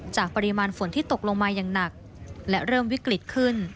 ปริมาณฝนที่ตกลงมาอย่างหนักและเริ่มวิกฤตขึ้น